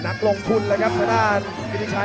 นักลงทุนเลยครับสดานกินชัย